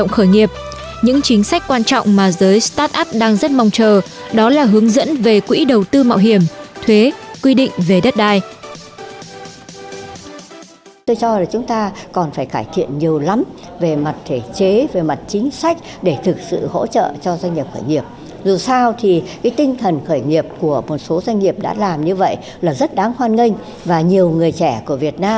khởi nghiệp những chính sách quan trọng mà giới startup đang rất mong chờ đó là hướng dẫn về quỹ đầu tư mạo hiểm thuế quy định về đất đai